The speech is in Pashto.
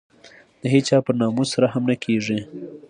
د هېچا پر ناموس رحم نه کېږي.